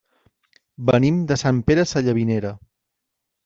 Venim de Sant Pere Sallavinera.